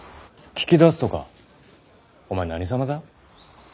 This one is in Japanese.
聞き出すとかお前何様だ？